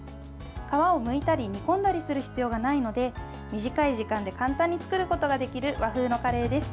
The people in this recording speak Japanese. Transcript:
皮をむいたり煮込んだりする必要がないので短い時間で簡単に作ることができる和風のカレーです。